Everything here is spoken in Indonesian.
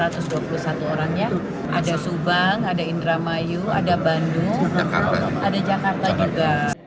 tadi satu ratus dua puluh satu orangnya ada subang ada indra mayu ada bandung ada jakarta juga